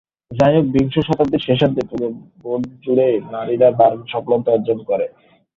যাই হোক, বিংশ শতাব্দীর শেষার্ধে পুরো বোর্ড জুড়েই নারীরা দারুন সফলতা অর্জন করে।